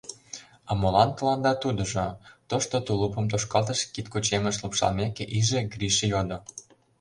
— А молан тыланда тудыжо? — тошто тулупым тошкалтыш кидкучемыш лупшалмеке иже Гриш йодо.